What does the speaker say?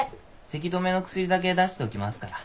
せき止めの薬だけ出しておきますから。